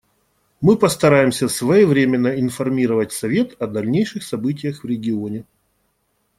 Мы постараемся своевременно информировать Совет о дальнейших событиях в регионе.